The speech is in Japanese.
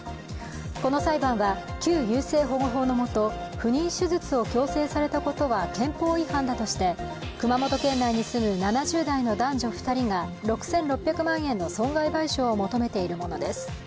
この裁判は旧優生保護法のもと不妊手術を強制されたことは憲法違反だとして熊本県内に住む７０代の男女２人が６６００万円の損害賠償を求めているものです。